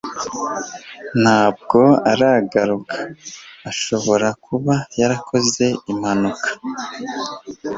Ntabwo aragaruka. Ashobora kuba yarakoze impanuka.